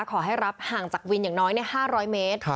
ขอให้รับห่างจากวินอย่างน้อย๕๐๐เมตร